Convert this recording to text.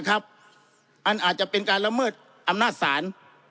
อาจจะเป็นการละเมิดอำนาจศาล